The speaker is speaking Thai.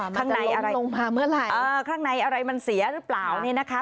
มันจะล้มลงมาเมื่อไหร่เออข้างในอะไรมันเสียหรือเปล่านี่นะคะ